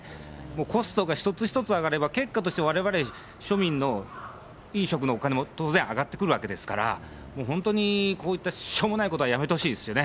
コストが一つ一つ上がれば、結果としてわれわれ、庶民の飲食のお金も当然上がってくるわけですから、本当にこういったしょうもないことはやめてほしいですよね。